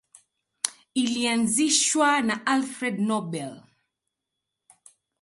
Ilianzishwa na Alfred Nobel.